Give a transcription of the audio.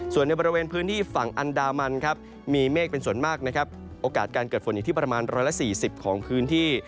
ส่วนในบริเวณพื้นที่ฝั่งอันดามันครับมีเมฆเป็นส่วนมากนะครับโอกาสการเกิดฝนอยู่ที่ประมาณ๑๔๐ของพื้นที่